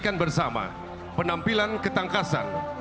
dan bersama penampilan ketangkasan